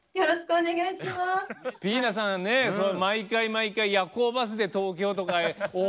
ぴぃなさんね毎回毎回夜行バスで東京とか大阪とか。